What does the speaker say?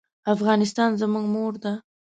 افغانستان زموږ مور ده.